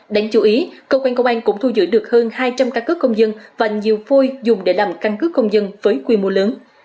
đáng chú ý cơ quan công an cũng thu giữ được hơn hai trăm linh căn cứ công dân và nhiều phôi dùng để làm căn cứ công dân với quy mô lớn